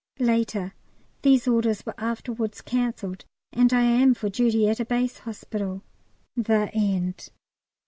Later. These orders were afterwards cancelled, and I am for duty at a Base Hospital. THE END.